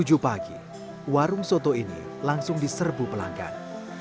pukul tujuh pagi warung soto ini langsung diserbu pelanggan